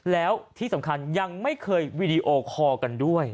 แล้วที่สำคัญยังไม่เคยวีดีโอคอลกันด้วย